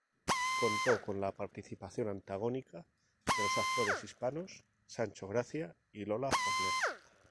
Contó con la participación antagónica de los actores hispanos Sancho Gracia y Lola Forner.